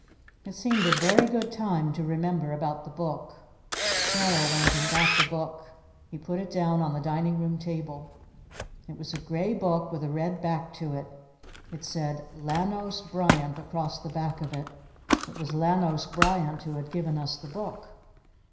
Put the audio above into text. It seemed a very good time to remember about the Book. Carol went and got the Book. He put it down on the Dining Room table. It was a gray book with a red back to it. It said "Lanos Bryant" across the back of it. It was Lanos Bryant who had given us the book.